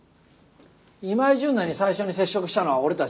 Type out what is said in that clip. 今井純奈に最初に接触したのは俺たちだ。